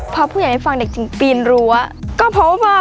พอผู้ใหญ่ได้ฟังเด็กจริงปีนรั้วก็พบว่า